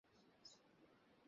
সাম্ভুর সাথে দেখা করেছিলে?